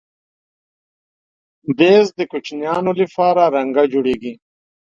مېز د کوچنیانو لپاره رنګه جوړېږي.